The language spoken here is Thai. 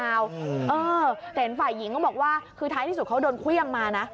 เห็นฝ่ายหญิงก็บอกว่าคือท้ายที่สุดเขาโดนเครื่องมานะ